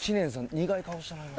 苦い顔したな今。